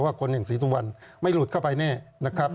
คนอย่างศรีสุวรรณไม่หลุดเข้าไปแน่นะครับ